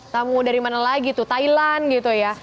tamu dari mana lagi tuh thailand gitu ya